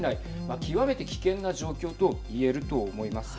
極めて危険な状況と言えると思います。